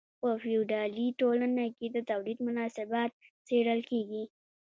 په فیوډالي ټولنه کې د تولید مناسبات څیړل کیږي.